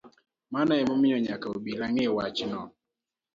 Mano emomiyo nyaka obila ng’I wachno